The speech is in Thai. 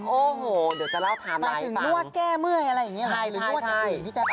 โอ้โหเดี๋ยวจะเล่าถามลายให้คุณผู้ชมค่ะคุณผู้ชมไปถึงนวดแก้เมื่อยอะไรอย่างนี้หรือ